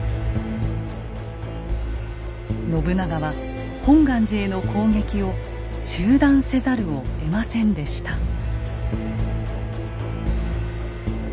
信長は本願寺への攻撃を中断せざるをえませんでした。